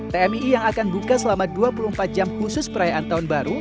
tmii yang akan buka selama dua puluh empat jam khusus perayaan tahun baru